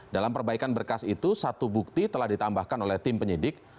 dalam perbaikan berkas itu satu bukti telah ditambahkan oleh tim penyidik